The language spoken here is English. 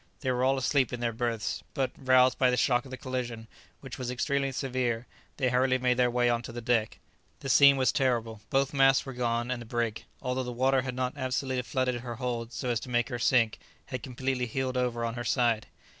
They were all asleep in their berths, but, roused by the shock of the collision, which was extremely severe, they hurriedly made their way on to the deck. The scene was terrible; both masts were gone, and the brig, although the water had not absolutely flooded her hold so as to make her sink, had completely heeled over on her side.